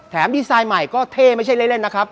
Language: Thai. ดีไซน์ใหม่ก็เท่ไม่ใช่เล่นนะครับ